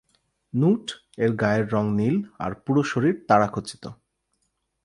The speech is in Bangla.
নুট-এর গায়ের রং নীল আর পুরো শরীর তারা খচিত।